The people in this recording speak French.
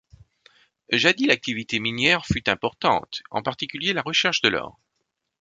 Jadis l’activité minière fut importante, en particulier la recherche de l’or.